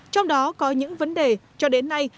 trong đó có những vấn đề cho đến nay